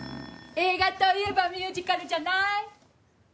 映画といえばミュージカルじゃない？